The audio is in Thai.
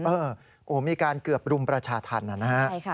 โอ้โฮมีการเกือบรุมประชาธารณะนะฮะ